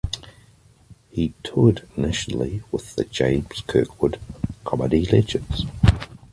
He toured nationally with the James Kirkwood comedy Legends!